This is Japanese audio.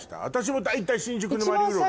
私も大体新宿の周り